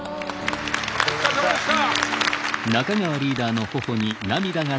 お疲れさまでした！